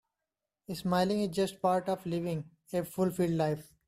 Smiling is just part of living a fulfilled life.